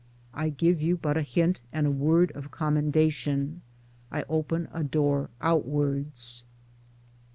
I give you but a hint and a word of commendation. I open a door outwards.